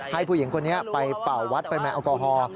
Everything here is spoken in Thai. ให้ผู้หญิงคนนี้ไปเป่าวัดเป็นแมนอัลกอฮอล์